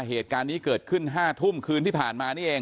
เหตุการณ์นี้เกิดขึ้น๕ทุ่มคืนที่ผ่านมานี่เอง